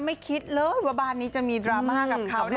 ไม่คิดเลยว่าบานนี้จะมีดราม่ากับข่าวนะ